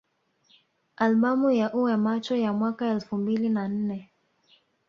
Albamu ya Uwe Macho ya mwaka elfu mbili na nne